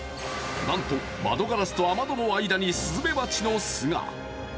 なんと、窓ガラスと雨戸の間にスズメバチの巣が。